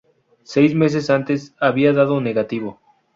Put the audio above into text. Seis meses antes, había dado negativo.